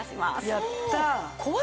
やったー！